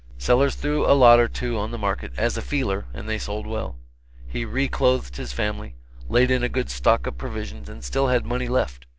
Sellers threw a lot or two on the market, "as a feeler," and they sold well. He re clothed his family, laid in a good stock of provisions, and still had money left.